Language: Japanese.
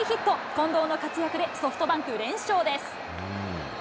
近藤の活躍でソフトバンク、連勝です。